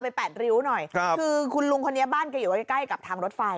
ไปแปดริ้วหน่อยคือคุณลุงคนนี้บ้านก็อยู่ใกล้กับทางรถไฟ